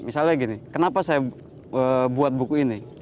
misalnya gini kenapa saya buat buku ini